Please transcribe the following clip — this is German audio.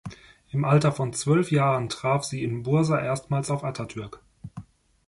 Im Alter von zwölf Jahren traf sie in Bursa erstmals auf Atatürk.